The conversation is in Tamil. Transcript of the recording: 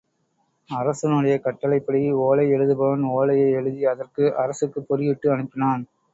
அரசனுடைய கட்டளைப்படி ஓலை எழுதுபவன் ஓலையை எழுதி அதற்கு அரக்குப் பொறியிட்டு அனுப்பினான்.